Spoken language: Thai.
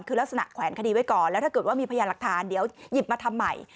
คือลักษณะแขวนคดีไว้ก่อนแล้วถ้าเกิดว่ามีพยานหลักฐานเดี๋ยวหยิบมาทำใหม่